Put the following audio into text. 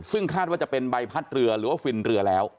ซึ่งคาดว่าจะเป็นใบพัดเรือหรือว่าฟินเรือแล้ว